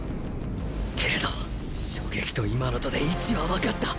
けど初撃と今のとで位置はわかった！